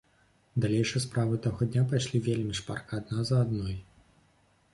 Далейшыя справы таго дня пайшлі вельмі шпарка, адна за адной.